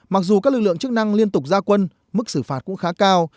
mặc dù các lực lượng chức năng liên tục ra quân mức xử phạt cũng khá cao